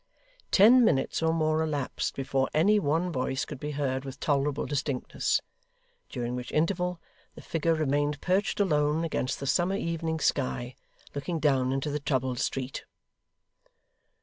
Ten minutes or more elapsed before any one voice could be heard with tolerable distinctness; during which interval the figure remained perched alone, against the summer evening sky, looking down into the troubled street.